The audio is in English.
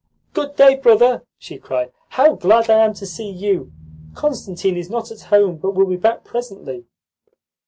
"Good day, brother!" she cried. "How glad I am to see you! Constantine is not at home, but will be back presently."